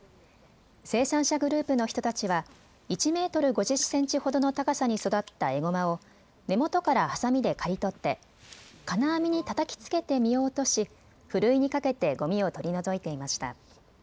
生産者グループの人たちは１メートル５０センチほどの高さに育ったエゴマを根元からはさみで刈り取って金網にたたきつけて実を落としふるいにかけてごみを取り除いていました。